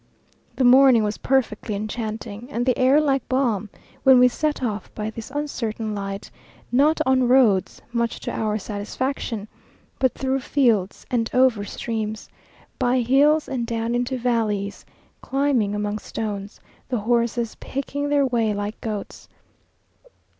The morning was perfectly enchanting, and the air like balm, when we set off by this uncertain light; not on roads (much to our satisfaction), but through fields, and over streams, up hills and down into valleys, climbing among stones, the horses picking their way like goats.